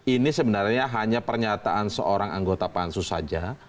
ini sebenarnya hanya pernyataan seorang anggota pansus saja